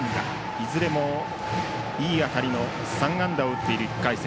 いずれもいい当たりの３安打を打っている１回戦。